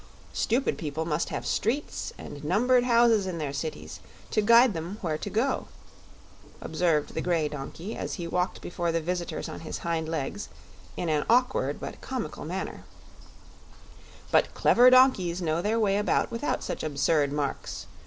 "Stupid people must have streets and numbered houses in their cities, to guide them where to go," observed the grey donkey, as he walked before the visitors on his hind legs, in an awkward but comical manner; "but clever donkeys know their way about without such absurd marks.